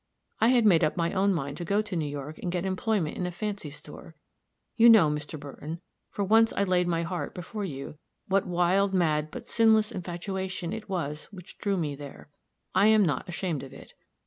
I had made up my own mind to go to New York, and get employment in a fancy store. You know, Mr. Burton, for I once laid my heart before you, what wild, mad, but sinless infatuation it was which drew me there. I am not ashamed of it.